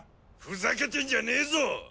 ふざけてんじゃねえぞ！